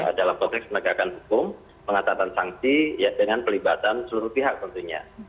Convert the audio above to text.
maka dalam konteks penegakan hukum pengetahuan sanksi ya dengan pelibatan seluruh pihak tentunya